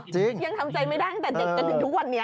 ยังทำใจไม่ได้ตั้งแต่เด็กจนถึงทุกวันนี้